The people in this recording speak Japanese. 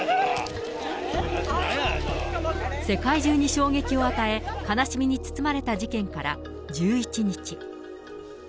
世界中に衝撃を与え、悲しみに包まれた事件から１１日。